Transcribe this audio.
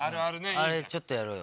あれちょっとやろうよ。